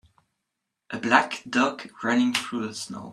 A black dog running through the snow.